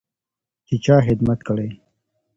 چې چا خدمت کړی.